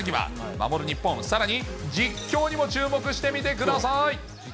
守る日本、さらに実況にも注目してみてください。